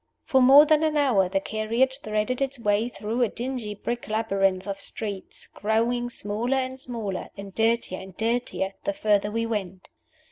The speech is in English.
For more than an hour the carriage threaded its way through a dingy brick labyrinth of streets, growing smaller and smaller and dirtier and dirtier the further we went.